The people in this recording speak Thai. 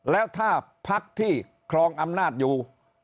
แล้วถ้าพักที่ครองอำนาจอยู่